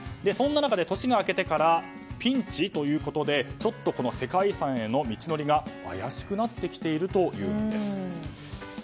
そんな中、年が明けてからピンチということで世界遺産への道のりが怪しくなっているというんです。